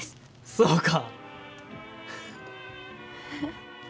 そうか。